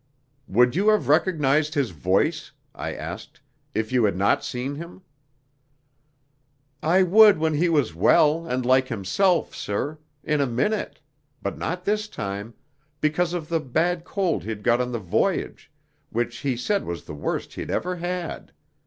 "Would you have recognised his voice," I asked, "if you had not seen him?" "I would when he was well and like himself, sir, in a minute, but not this time, because of the bad cold he'd got on the voyage, which he said was the worst he'd ever had.